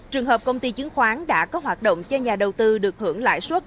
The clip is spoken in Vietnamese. trường hợp công ty chứng khoán đã có hoạt động cho nhà đầu tư được hưởng lãi suất